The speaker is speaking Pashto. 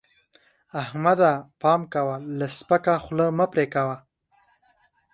احمده! پام کوه؛ له سپکه خوله مه پرې کوه.